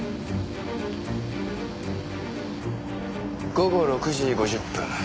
午後６時５０分